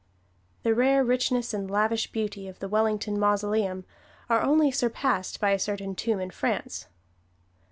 The rare richness and lavish beauty of the Wellington mausoleum are only surpassed by a certain tomb in France.